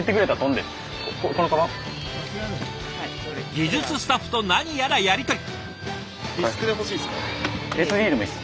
技術スタッフと何やらやり取り。